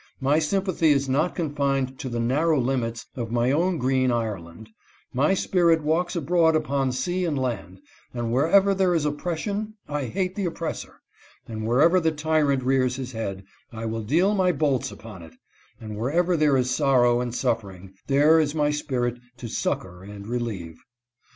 My sympathy is not confined to the nar row limits of my own green Ireland ; my spirit walks abroad upon sea and land, and wherever there is oppres sion I hate the oppressor, and wherever the tyrant rears his head I will deal my bolts upon it, and wherever there is sorrow and suffering, there is my spirit to succor and relieve."